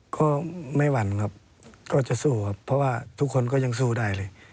ก็ไม่หวั่นครับก็จะสู้ครับเพราะว่าทุกคนก็ยังสู้ได้เลย